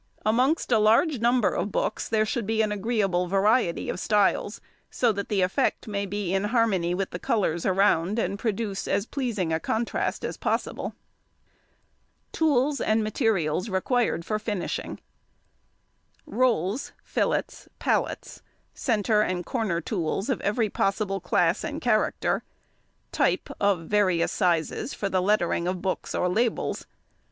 |118| Amongst a large number of books there should be an agreeable variety of styles, so that the effect may be in harmony with the colours around, and produce as pleasing a contrast as possible. [Illustration: Type holder.] [Illustration: Pallet.] [Illustration: Fillet.] Tools and Materials required for Finishing.—Rolls, fillets, pallets, centre and corner tools of every possible class and character; type of various sizes for the lettering of books or labels.